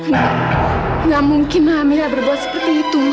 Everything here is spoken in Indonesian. tidak mungkin amirah berbuat seperti itu mas